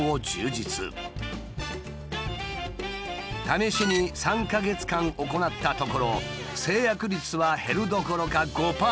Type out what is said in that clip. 試しに３か月間行ったところ成約率は減るどころか５％アップしたという。